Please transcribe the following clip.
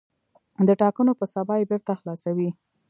د ټاکنو په سبا یې بېرته خلاصوي.